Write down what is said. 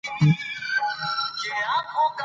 جاوېد صېب سوال وکړۀ